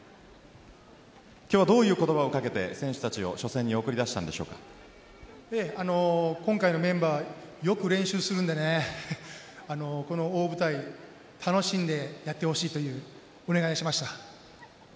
今日はどういう言葉をかけて選手たちを今回のメンバーはよく練習するのでこの大舞台楽しんでやってほしいというお願いをしました。